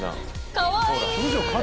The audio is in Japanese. かわいい！